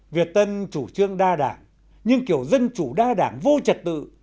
việt tân chủ trương đa đảng nhưng kiểu dân chủ đa đảng vô trật tự